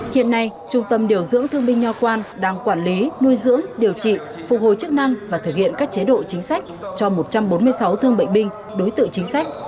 hiện nay trung tâm điều dưỡng thương binh nho quan đang quản lý nuôi dưỡng điều trị phục hồi chức năng và thực hiện các chế độ chính sách cho một trăm bốn mươi sáu thương bệnh binh đối tượng chính sách